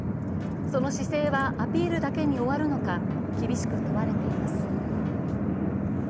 その姿勢はアピールだけに終わるのか厳しく問われています。